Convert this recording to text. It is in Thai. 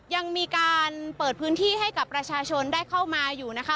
ยังมีการเปิดพื้นที่ให้กับประชาชนได้เข้ามาอยู่นะคะ